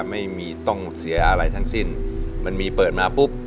ไม่มีต้องเสียอะไรทั้งสิ้นมันมีเปิดมาปุ๊บ